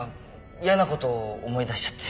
嫌な事を思い出しちゃって。